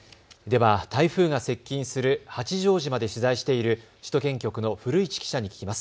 では台風が接近する八丈島で取材している首都圏局の古市記者に聞きます。